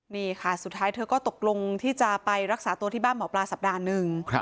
นี่ค่ะสุดท้ายเธอก็ตกลงที่จะไปรักษาตัวที่บ้านหมอปลาสัปดาห์หนึ่ง